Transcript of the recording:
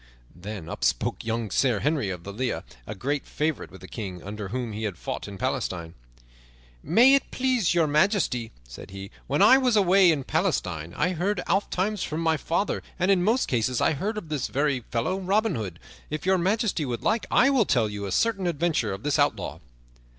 Then up spake young Sir Henry of the Lea, a great favorite with the King, under whom he had fought in Palestine. "May it please Your Majesty," said he, "when I was away in Palestine I heard ofttimes from my father, and in most cases I heard of this very fellow, Robin Hood. If Your Majesty would like I will tell you a certain adventure of this outlaw."